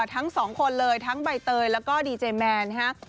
ทั้งสองคนเลยทั้งใบเตยแล้วก็ดีเจแมนนะฮะ